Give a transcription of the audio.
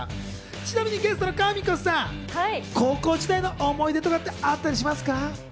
ちなみにゲストのかみこさん、高校時代の思い出とかってあったりしますか？